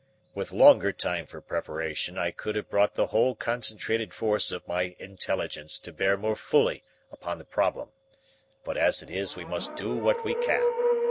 "With longer time for preparation I could have brought the whole concentrated force of my intelligence to bear more fully upon the problem, but as it is we must do what we can.